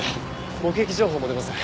目撃情報も出ません。